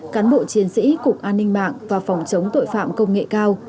cán bộ chiến sĩ cục an ninh mạng và phòng chống tội phạm công nghệ cao